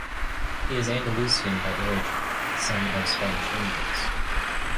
He is Andalusian by origin (son of Spanish emigrants).